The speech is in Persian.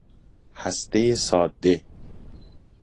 هسته ساده